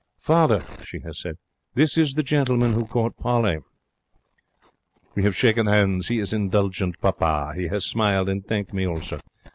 'Father,' she has said, 'this is the gentleman who caught Polly.' We have shaken hands. He is indulgent papa. He has smiled and thanked me also.